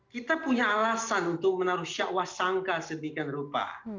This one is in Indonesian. kita punya alasan untuk menaruh syakwah sangka sedemikian rupa